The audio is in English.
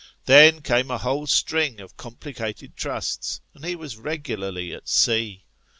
Then came a whole string of complicated trusts, and he was regularly at sea.